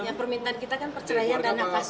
ya permintaan kita kan perceraian dan nafas